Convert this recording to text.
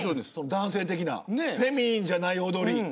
男性的なフェミニンじゃない踊り。